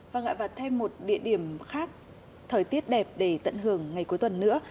và ngại vặt thêm một địa điểm khác thời tiết đẹp để tận hưởng ngày cuối tuần nữa